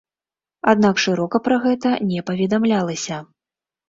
Аднак шырока пра гэта не паведамлялася.